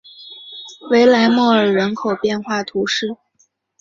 维莱莫尔人口变化图示